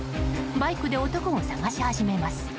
バイクで男を捜し始めます。